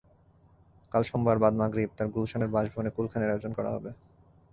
কাল সোমবার বাদ মাগরিব তাঁর গুলশানের বাসভবনে কুলখানির আয়োজন করা হবে।